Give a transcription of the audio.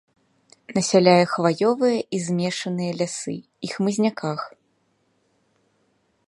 Насяляе хваёвыя і змешаныя лясы і хмызняках.